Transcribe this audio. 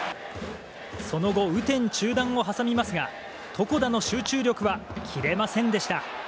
その後、雨天中断を挟みますが床田の集中力は切れませんでした。